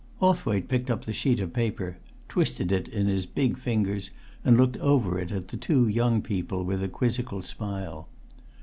Hawthwaite picked up the sheet of paper, twisted it in his big fingers, and looked over it at the two young people with a quizzical smile.